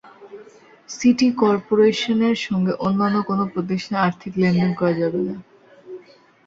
City করপোরেশনের সঙ্গে অন্যান্য কোনো প্রতিষ্ঠানের আর্থিক লেনদেন করা যাবে না।